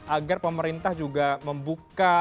agar pemerintah juga membuka